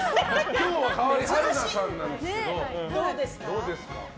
今日は春菜さんなんですけどどうですか？